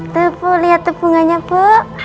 tuh bu lihat tuh bunganya bu